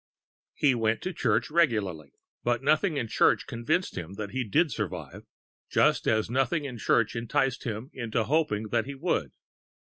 He went to church regularly. But nothing in church convinced him that he did survive, just as nothing in church enticed him into hoping that he would.